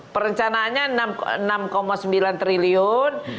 perencanaannya enam sembilan triliun